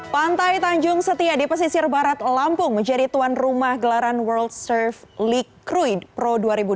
pantai tanjung setia di pesisir barat lampung menjadi tuan rumah gelaran world surf league cruid pro dua ribu dua puluh